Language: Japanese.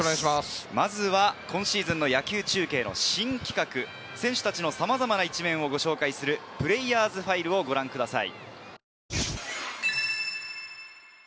今シーズンの野球中継の新企画、選手たちのさまざまな一面をご紹介するプレイヤーズファイルをご覧ください。